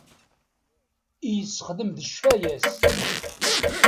I yessexdem d ccfaya-s.